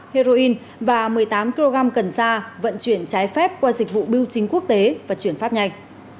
heroin và một mươi tám kg cần sa vận chuyển trái phép qua dịch vụ biêu chính quốc tế và chuyển phát nhanh